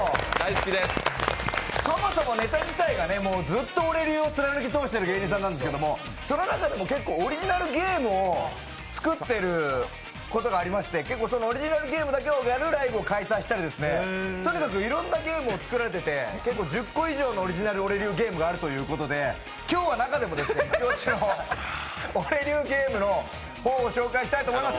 そもそもネタ自体がずっとオレ流を貫き通してる芸人さんなんですけどその中でもオリジナルゲームを作ってることがありまして結構、オリジナルゲームだけをやるライブを開催したりとにかくいろんなゲームを作られていて、１０個以上のオリジナルのオレ流ゲームがあるということで今日は中でも一押しのオレ流ゲームを紹介したいと思います。